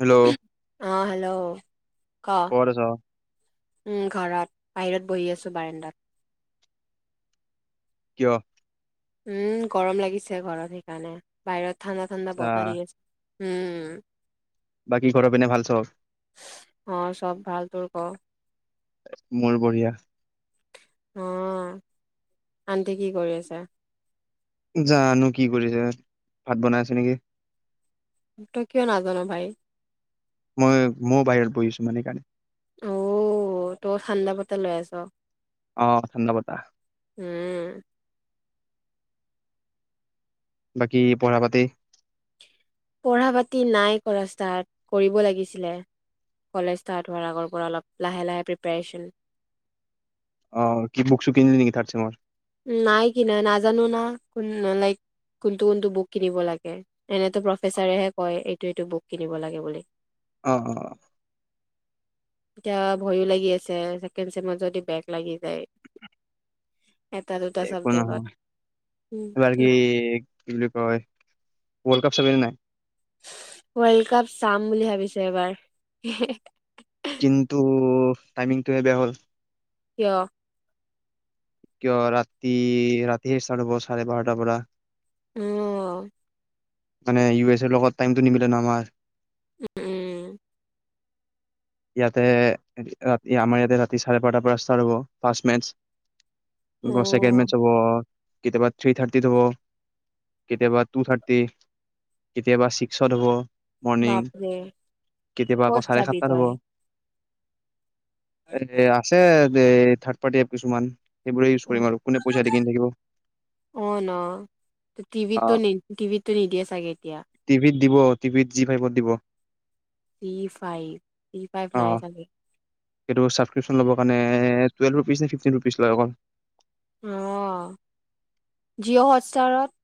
Hello অ hello ক ক'ত আছ উম ঘৰত। বাহিৰত বহি আছো বাৰাণ্ডাত। কিয়? উম গৰম লাগিছে ঘৰত সেইকাৰণে বাহিৰত? ঠাণ্ডা ঠাণ্ডা আচ্ছা বতাহ দি আছে? উম বাকী ঘৰৰ পিনে ভাল চব অ চব ভাল তোৰ ক। মোৰ বঢ়িয়া? অ আনটি কি কৰি আছা? জানো কি কৰিছে ভাত বনাই আছে নেকি? ত কিয় নাজান ভাই। মই মো বাহিৰত বহিছো মানে সেইকাৰণে? অ তই ঠাণ্ডা বতাহ লৈ আছ। আহ ঠাণ্ডা বতাহ? উম বাকী পঢ়া পাতি। পঢ়া পাতি নাই কৰা ষ্টাৰ্ট কৰিব লাগিছিলে কলেজ ষ্টাৰ্ট হোৱাৰ আগৰ পৰা অলপ লাহে লাহে প্ৰিপাৰেচন? অ কি বুকচুক কিনিলি নেকি থাৰ্ড চেমৰ। নাই কিনা নাজানো না ক লাইক কোনটো কোনটো বুক কিনিব লাগে এনেতে প্ৰফেচাৰেহে কয় এইটো এইটো বুক কিনিব লাগে বুলি। অ অ এতিয়া ভয়ো লাগি আছে ছেকেণ্ড চেমত যদি বেগ লাগি যায়। এটা দুটা একো চাবজেক্টত নহয় উম, এবাৰ কি কি বুলি কয় ৱল্ড কাপ। জাবিনে নাই। ৱৰ্ল্ড কাপ চাম বুলি ভাবিছে এবাৰ। কিন্তু টাইমিংটোহে বেয়া হ'ল। কিয়। কিয় ৰাতি ৰাতি চাৰে বাৰতাৰ পৰা। উম মানে ইউ এছ এৰ লগত টাইমটো নিমিলে ন আমাৰ। উম ইয়াতে ৰাতি আমাৰ ইয়াতে ৰাতি চাৰে বাৰটাৰ পৰা ষ্টাৰ্ট হব ফাৰ্ষ্ট মেচ। অ গ চেকেণ্ড মেচ হাব অ। কেতিয়াবা থ্ৰী থাৰ্টিত হ'ব কেতিয়াবা টু থাৰ্টি কেতিয়াবা ছিক্সত হ'ব। মৰ্ণিং বাপৰে কেতিয়াবা ক'ত আকৌ চাৰে চাবি সাতটাত তই হ'ব। এ আছে। যে থাৰ্ড পাৰ্টি কিছুমান? সেইবোৰে ইউজ অ কৰিম আৰু কোনে পইচা দি কিনি থাকিব অ ন টিভিতো আহ নি টিভিতটো নিদিয়ে চাগে। সতিয়া। টিভিত দিব টিভিত জি ফাইভত দিব। চি ফাইভ চি ফাইভ অ নাই চাগে সটো ছাব্ক্ৰিপচন ল'বৰ কাৰণে? টুৱেলভ ৰুপিজেফটিন ৰুপিজ লয় অকল? অ জিঅ' হটষ্টাৰত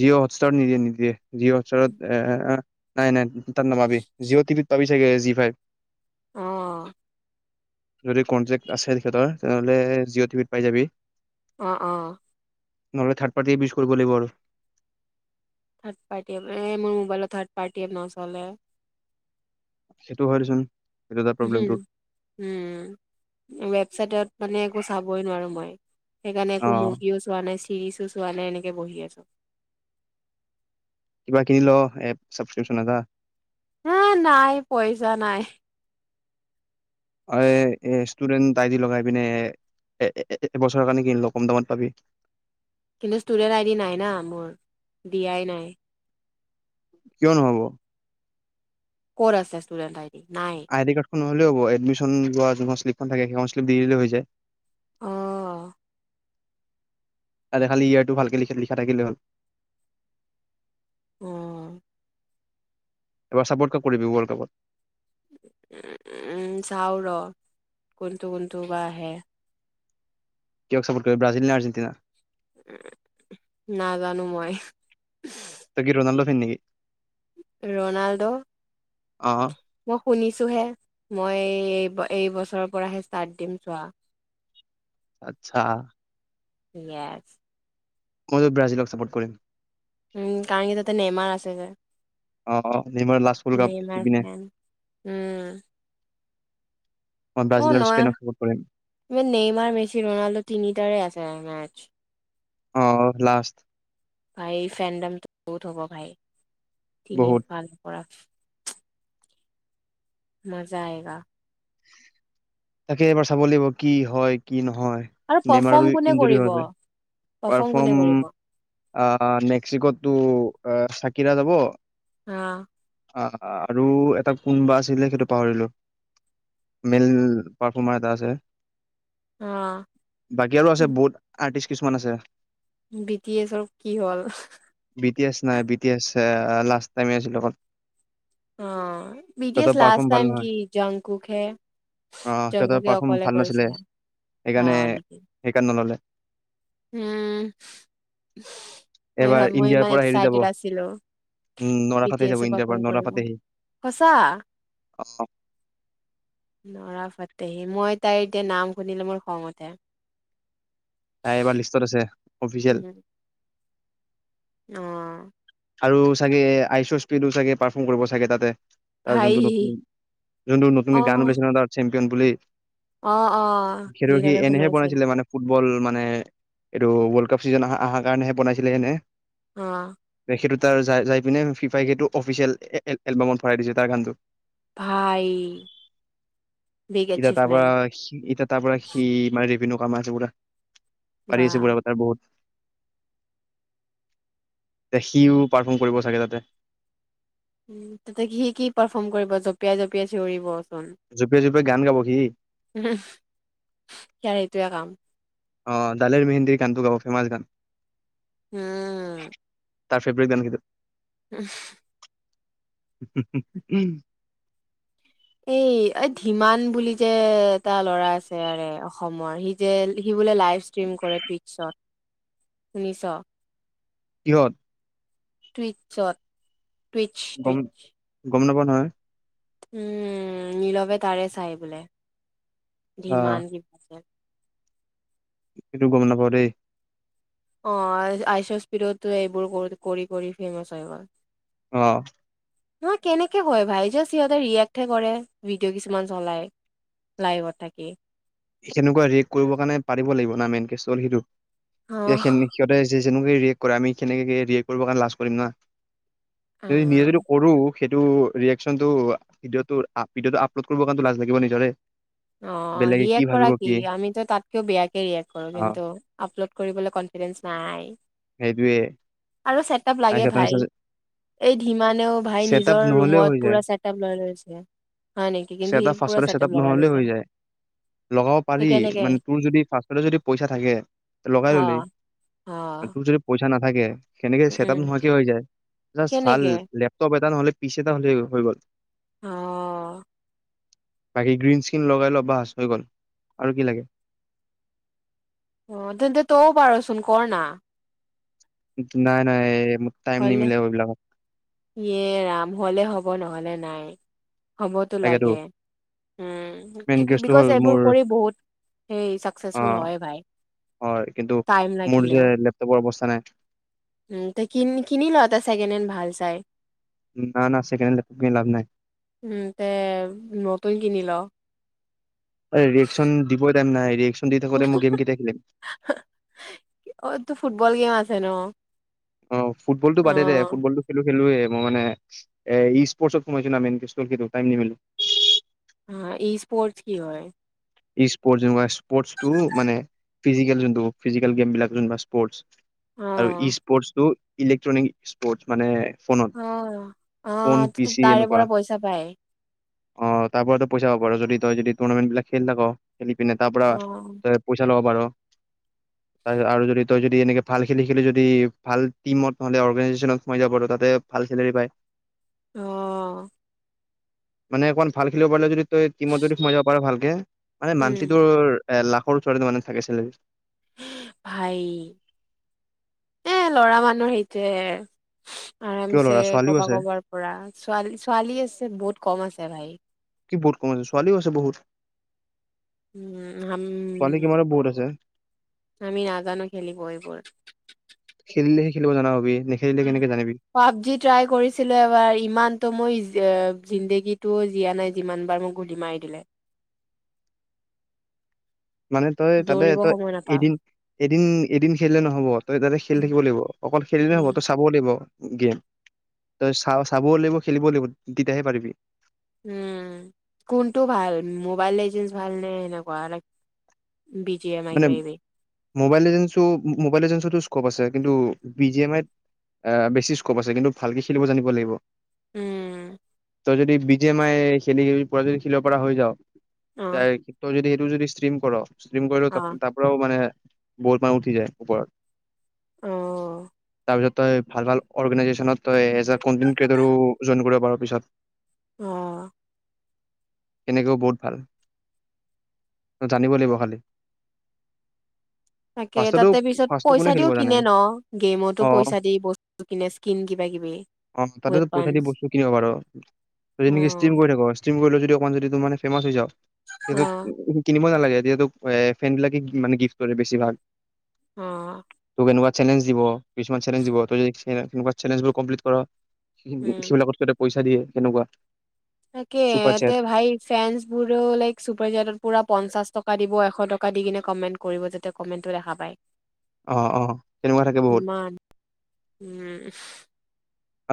জিঅ' হটষ্টাৰত নিদিয়ে নিদিয়ে জিঅটত নাই নাই তাত নবাবি জি' অ টিভিত পাবি জি ফাইভ অহ যদি কনটেক্ট আছে তেখেতৰ তেনেহ'লে জিঅ' টিভিত পাই যাবি। অ অ নহ'লে থাৰ্ড পাটি বিষ কৰিব লাগ আৰু থাৰড পাৰ্টি আ এ মোৰ মোবাইল থাৰড পাৰ্টি আ নচলে সেইটো হয়চোন উম উম চটত মানে একো চাবই নোৱাৰো মই সেইকাৰণে অ একো মুৰ্গীও চোৱা নাছিল ৰিলছো চোৱা নাই এনেকে বহি আছো। কিবা কিনি ল এ ছাব্ক্ৰিপ্যন পৰা। হা নাই পইচা নাই। অ এ ষ্টুডেন্ট আইদি লগাই পিনে এ এবছৰ কাৰণে কিন লো কম দামত পাবি। কিন্তুু ষ্টুডেন্ট আইডি নাই না মোৰ দ আই নাই কিয় নহব? ক'ৰত আছেষ্টুডণ্ট‌ আইডি? নাই আই দি কাৰ্ড খন নহলেও হ'ব এডমিশন লোৱা যোনখন শ্লিপখন থাকে সেইখন শ্লিপ দি দিলেই হৈ যায়। অহ। তাতে খালী ইয়াৰটো ভালকে লিখে লিখা থাকিলে হ'ল। উম। এবাৰ ছাপোৰ্ট ক কৰিবি ৱৰ্ল্ড কাপত চাউৰ কোনটো কোনটো বা আহে, কিয়ক চাপৰ্ট কৰিব ব্ৰাজিল নে আৰ্জেটিনা? নাজানো মই, তগি ৰ নল ফিন্নক [unintelligible] ৰণাল্ডো। অহ মই শুনিছো হে মই এই এইবছৰৰ পৰাহে ষ্টাৰ্ট দিম চোৱা। আচ্ছা? ইয়াৰ মইত ব্ৰাজিলক ছাপোৰ্ট কৰিম। উম কাৰণ কি তাতে নেমাৰ আছে যে। অহ অ নিম লাষ্ট ফুল কাপ এই নেমাৰ পিনো- ফেন উম অ ন ইমান চাপৰ্ট কৰিম নেইমাৰ মেচি ৰোনাল্ডো তিনিটাৰে আছে মেৰ্চ অ লাষ্ট ভাই ফেণ্ডামটো বহুত হব ভাই বহুত ভাল কৰা মজা আয়গা। তাকে এবাৰ চাব লাগিব, কি হয় কি নহয়। আৰু নেমাৰো পাৰফৰ্ম কোনে ইঞ্জুৰি হৈ কৰিব? আছে কোনে পাৰফৰ্ম কৰিব মেক্সিকোটো। অ চাকিৰা যাব। আহ। অ আৰু এটা কোনোবা আছিলে সেইটো পাহৰিলো। মেল পাৰফমাৰ এটা আছে। অ বাকী আৰু আছে বহুত আৰ্টিষ্ট। কিমান আছে। বিট এ চব কি হ'ল। বি টি এছ নাই B T S last time আছিল অ। অ বিটছ লাষ্ট ভাল টাইম নহয় কি জংকুকে অ সিহঁতৰ জংকুকে পাৰফৰ্ম অকলে ভাল নাছিলে কৰিছিলে অ সেইকাৰণে নেকি [unintelligible] সেইকাৰণে নললে উম। এইবাৰ মই ইণ্ডিয়াৰ ইমান পৰা হেৰি যাব এক্সাইটেড আছিলো উম নৰা বি টি ফাতে এ যাব ইণ্ডিয়াৰ পৰা পাৰফৰ্ম নৰা কৰিব ফাতেহি সচা। নৰা ফাটেহী মই তাইৰ এতিয়া নাম শুনিলেই মোৰ খঙ উঠি । তাই এবাৰ লিষ্টত আছে। অফিচিয়েল। অঁ। আৰু চাগে আইচৰ স্পীডো চাগে পাৰ্ফৰ্ম কৰিব চাগে তাতে। তাৰ ভাই যোনটো নতুন যোনটো অ নতুন গান বেছে তাৰ। ন বুলি [unintelligible] অ অ, সেইটো সি নীৰৱ এ ফোন এনেহে মাৰিছিল। বনাইছিলে মানে ফুটবল মানে এইটো ৱৰ্ল্ড কাপ চিজন আ আহাৰ কাৰণেহে বনাইছিলে এনে। অঁ। সেইটো তাৰ য যাই পিনে ফিফাইেটো অফিচিয়েল এ এলবামত ভৰাই দিছে তাৰ গানটো। ভাই বিগ এতিয়া তাৰ পৰা এচিভমেন্ট সি এতিয়া তাৰ পৰা সি মাৰে ৰিবনু। কম আছে পুৰা। বা পাৰীয়েছে বুৰা বত বহুত [unintelligible] সিও পাৰফৰ্ম কৰিব চাগে তাতে। উম, তাতে স কি পাৰফৰ্ম কৰিব জঁপিয়াই জঁপিয়াই চিঞৰিব। জপিয়াই জপিয়াই গান গাব সি। টোৱে কাম। অ দালিৰ মেহেন্দীৰ গানটো গাব ফেমাচ গান। উম। তাৰ ফেব্ৰেট গান কেইটা। উম [unintelligible] উম [unintelligible] এই এই ধিমান বুলি যে, এটা ল'ৰা আছে আৰে অসমৰ সি যে। বোলে লাইভ ষ্ট্ৰীম কৰে টুইটছত। শুনিছ? কিহত? টুইটচত। টুইচ গম টুইচ । গম নাপা নহয় । উম নীলবে তাৰে চাই বোলে আচ্ছা। ধিমান সেইটো গম নাপাওঁ দেই। অ আইচ আইচ স্পীডত এইবোৰ কৰি কৰি ফেমাচ হয় গল। অ নহয় কেনেকে হয় ভাই যাষ্ট সিহঁতে ৰিয়েক্ট হে কৰে ভিডিঅ' কিছুমান চলাই লাইভত থাকি । সেনেকুৱা ৰিয়েক্ট কৰিবৰ কাৰণে পাৰিব লাগিব না মেইন কেছ টো হল সেইটো। অ এইখিনি তে হৈছে [unintelligible] যেনেকে ৰিয়েক্ট কৰে আমি সেনেকে ৰিয়েক্ট কৰিব কাৰণে লাজ কৰিম না । যদি নিজে যদি কৰো সেইটো ৰিয়েক্টচনটো ভিডিঅ' ভিডিঅটো আপলোড কৰিবৰ কাৰণে লাজ লাগিব ন নিজৰে । অ ৰিয়েক্ট কৰা কি আমিতো তাতকেও বেয়াকৈ ৰিয়েক্ট কৰো অ কিন্তু আপলোড কৰিবলৈ কনফিডেনচ নাই। সেইটোয়ে আৰু চেটআপ তাই লাগে সিহঁতৰ ভাই, নিচিনা এই ধিমানেও ভাই ছেটআপ নিজৰ নহ'লেও ৰুমত হৈ যায় পুৰা চেটআপ লই লৈছে হয় নেকি কিন্তু সি ছেটআপ পুৰা ফাৰ্ষ্টতে ছেটআপ চেটআপ লগাই নহ'লেও লৈছে হৈ । যায় লগাব পাৰি মানে তোৰ যদি ফাৰ্ষ্টটে যদি পইচা থাকে অ লগাই ললি অ তোৰ যদি পইচা পইচা নাথাকে উম উম ছেটতাব নোহাৱাকে হৈ যায়, যাষ্ট ভাল কেনেকে লেপটপ এটা এটা নহ'লে পিছ এটা হলে' হৈ গ'ল । অ বাকী গ্ৰীণ স্কিন লগাই লবা বাচ হৈ গ'ল আৰু কি লাগে? অ তেন্তে তৌ পাৰচোন কৰ না। নাই নাই। মোৰ টাইম হলে নিমিলে এইবিলাকত ইএ ৰাম হলে হ'ব ব নহ'লে নাই। হ'বতো তাকেতো লাগে উ, মেইন কেচটো বি-বিকচ হ'ল এইবোৰ মোৰ কৰি বহুত সেই অ চাকচেচফুল হয় ভাই, হয় কিন্তু টাইম মোৰ যে লাগিলেও লেপটপৰ অৱস্থা নাই কিনি ল এটা ছেকেণ্ড হেণ্ড ভাল চায়। না না ছেকেণ্ড হেণ্ড লেপটপ কিনি লাভ নাই উম তে নতুন কিনি ল। [unintelligible] খুন্দি থাকোঁতে মই গেম কেতিয়া খেলিম? অ তো ফুটবল গেম আছে নঃ। অ ফুটবলটো বাদে দে ফুটবলটো খেলো খেলোয়ে মই মানে, এই-স্প'ৰ্টত সোমাইছো না মেইন কেচটো হ'ল টাইম নিমিলে অ ই স্পৰ্ট কি হয়? ইস্পৰ্ট যেনেকুৱা ইস্পৰ্টো মানে, ফিজিকেলি যোনটো ফিজিকেল গেমবিলাক যোনবিলাক স্পৰ্ট অ আৰু ইস্পৰ্টছটো ইলেকট্ৰনিক স্পৰ্ট মানে ফোনত অ ফোন পি আহ, চি তাৰে এনেকুৱা পৰা পইচা পায়? অ, তাৰ পৰাতো পইচা হব, আৰু যদি তই যদি টুৰ্ণামেণ্ট বিলাক খেলি থাক। খেলি পিনে তাৰ পৰা অ তই পইচা ল'ব পাৰ। তাৰপিছত আৰু যদি তই যদি এনেকে ভাল খেলি-খেলি যদি ভাল টিমত নহলে অৰ্গেনাইজেচনত সোমাই যাব পাৰ, তাতে ভাল চেলেৰী পায়। অহ মানে, অকমান ভাল খেলিব পাৰিলে যদি তই টিমত যদি সোমাই যাব পাৰ ভালকে মানে মান্থলি উম তোৰ এ লাখৰ ওচৰতে মানে থাকে চেলেৰী। ভাই, এ ল'ৰা মানুহ সেইটোৱে। কিয় ল'ৰা আৰামছে ছোৱালীও কবা আছে কবাৰ পৰা ছোৱালী-ছোৱালী আছে বহুত কম আছে ভাই কি বহুত কমা আছে, ছোৱালীও আছে বহুত। উম হম, ছোৱালী কিমানো বহুত আছে আমি নাজানো খেলিব এইবোৰ। খেলিলেহে খেলিব জনা হবি নেখেলিলে কেনেকে জানিবি পাবজি ট্ৰাই কৰিছিলো, এবাৰ ইমানটো মই জিন্দেগীটো জিয়া নাই, যিমান বাৰ মোক গুলি মাৰি দিলে। মানে, তই তাতে দৌৰিব তই সময় নাপাওঁ এদিন-এদিন-এদিন খেলিলে নহব, তই তাতে খেল থাকিব লাগিব অকল খেলিলে নহ'ব উম তই চাব লাগিব। গেম, তই চা-চাবও লাগিব, খেলিবও লাগিব তেতিয়াহে পাৰিবি। উম, কোনটো ভাল মোবাইল লেজেণ্ডছ ভাল নে সেনেকুৱা বি জি এম আই মানে, কিবা কিবি মোবাইল লেজেণ্ডছো মোবাইল লেজেণ্ডছতো স্কোপ আছে। কিন্তু বি জি এম আইত বেছি স্কোপ আছে, কিন্তু ভালকে খেলিব জানিব লাগিব উম। তই যদি বি জি এম আই খেলি পোৰা যদি খেলিব পৰা হৈ যাও অ তাইক তই যদি তু যদি ষ্টীম কৰ ষ্টীম অ তা পৰাও মানে বহুত মানুহ উঠি যায় ওপৰত। অহ তাৰপিছত তই ভাল -ভাল অৰ্গেনাইজেচনত তই এজ এ কন্টেন্ট কিয়েতাৰো জইন কৰিব পাৰ পিছত অ, তেনেকও বহুত ভাল, জানিব লাগিব খালি। তাকে ফাৰ্ষ্টতো তাতে পিছত ফাৰ্ষ্টটো কোনে পইচা দিও খেলিব জানে কিনে ন গেমতো অ পইচা দি বস্তু কিনে স্কিন কিবা কিবি অ তাতেতো পইচা দি ৱেপনচ বস্তু কিনিব পাৰ যদি অ, নেকি ষ্ট্ৰীম কৰি থাক কৰিলে যদি অকণমান যদি ত মানে ফেমাছ হৈ যাও, ইটো অ', কিনিব নালাগে, এ দটোো এ [unintelligible] ফ্ৰেন্ড বিলাকে মানে গিফ্ট কৰে বেছিভাগ, অঁ কোনোবা ছেলেনজ দিব কিছুমান ছেলেনজ দিব তই যদি চে্ এনেকুৱা ছেলেনজ বোৰ কমপ্লিট কৰ' উম, সেইবিলাকতক' পইচা দিয়ে সেনেকুৱা। তাকে চুপাৰ চেট এ ভাই ফেনছ বোৰো লাইক চুপাৰ জেটত পুৰা পঞ্চাশ, টকা দিব এশ টকা দি কিনে কমেণ্ট কৰিব যাতে কমেণ্টটো দেখা পায়। অঁ অঁ তেনেকুৱা থাকে বহুত। ইমান উম,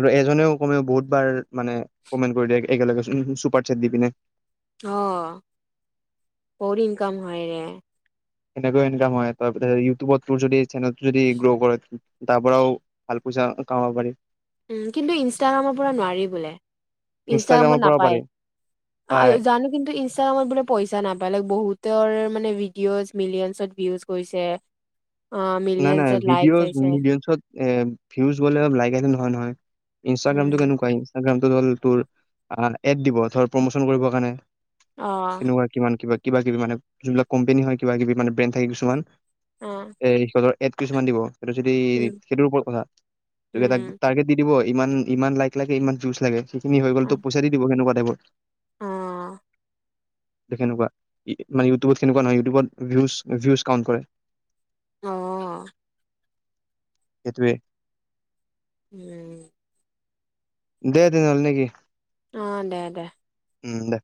আৰু এজনেও কমেও বহুত বাৰ মানে কমেণ্ট কৰি দিয়ে একেলগে চুপাৰ চেট দি পিনে। অ বহুত ইনকাম হয়ৰে, সেনেকেও ইনকাম হয় তাৰপিছত ইউটিউবত তোৰ যদি। যদি গ্ৰ' কৰে। তাৰ পৰাও ভাল পইচা কামাব পাৰি। উম কিন্তু ইনষ্টাগ্ৰামৰ পৰা নোৱাৰি বোলে ইনষ্টাগ্ৰামত ইনষ্টাগ্ৰামৰ পৰা নাপায় পাৰি পায় জানো, কিন্তু ইনষ্টাগ্ৰামত বোলে পইচা নাপাই বেলেগ বহুত। মানে ভিডিঅ'জ মিলিয়নছত ভিউজ গৈছে। অ', না না মিলিয়নছত লাইক ভিডিঅ'ছ আহিছে ৰীলছত। এ ভিউজ গ'লে অলপ লাইক আহিলে নহয় নহয়, ইনষ্টটাগ্ৰামটো উম, কেনেকুৱা ইনষ্টটাগ্ৰাম, এড দিব ধৰ প্ৰমোচন কৰিব কাৰণে। অ', কেনেকুৱা কিমান কিবা। কিবা কিবি মানে যোনবিলাক কম্পেনী হয় কিবা কিবি মানে ব্ৰেণ্ড থাকে কিছুমান। অঁ। ধৰ এড কিছুমান দিব। সেইটো যদি সেইটোৰ ওপৰত কথা, সেইটো এটা উম, টাৰ্গেট দি দিবই, ইমান ইমান লাইক লাগে ইমান যুঁজ লাগে। কি হৈ গল টো অ', পইচা দি দিব হেনেকোৱা। ব [unintelligible] অ', এনেকুৱা মানে ইউটিউবত তেনেকুৱা নহয় ইউটিউবত ভি ভিউজ কাউণ্ট কৰে। অঁ [unintelligible] উম। দে দে হ'ল নেকি। অঁ দে দে। উম দে